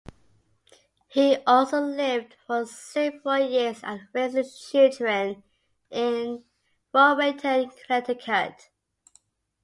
He also lived for several years and raised his children in Rowayton, Connecticut.